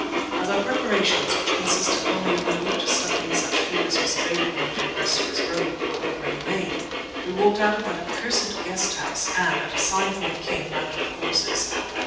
As our preparations, which consisted only of Marût stuffing such food as was available into the breast of his robe, were already made, we walked out of that accursed guest house and, at a sign from the king, mounted the horses.